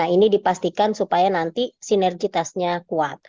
ini dipastikan supaya nanti sinergitasnya kuat